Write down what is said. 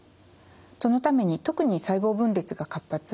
そのために特に細胞分裂が活発。